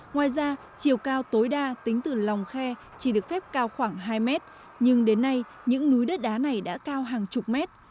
ngoài ra chiều cao tối đa tính từ lòng khe chỉ được phép cao khoảng hai mét nhưng đến nay những núi đất đá này đã cao hàng chục mét